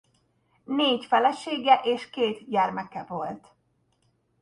Négy felesége és két gyermeke volt.